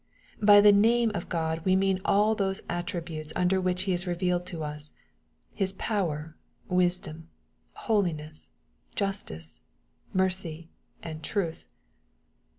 '" By the " name" of Gk>d we mean all those attributes under which He is revealed to us, — ^His power, wisdom, holiness, justice, mercy, and truth.